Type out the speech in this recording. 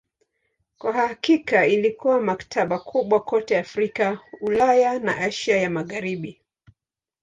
Kwa hakika ilikuwa maktaba kubwa kote Afrika, Ulaya na Asia ya Magharibi.